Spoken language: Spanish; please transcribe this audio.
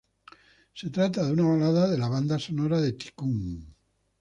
Se trata de una balada de la Banda sonora de Tycoon.